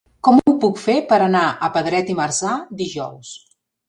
Com ho puc fer per anar a Pedret i Marzà dijous?